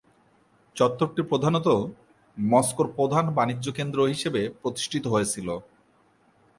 চত্বরটি প্রধানতঃ মস্কোর প্রধান বাণিজ্যকেন্দ্র হিসেবে প্রতিষ্ঠিত হয়েছিল।